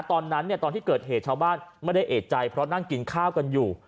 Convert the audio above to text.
ตอนนั้นตอนที่เกิดเหตุชาวบ้านไม่ได้เอกใจเพราะนั่งกินข้าวกันอยู่